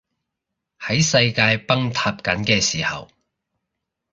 喺世界崩塌緊嘅時候